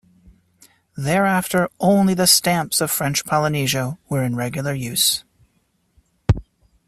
Thereafter only the stamps of French Polynesia were in regular use.